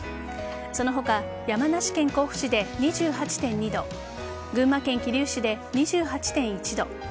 その他山梨県甲府市で２８．２度群馬県桐生市で２８．１度